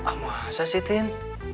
ah masa sih tin